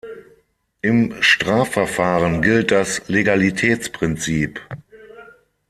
Im Strafverfahren gilt das Legalitätsprinzip.